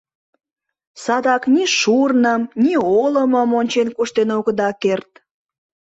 Садак ни шурным, ни олымым ончен-куштен огыда керт.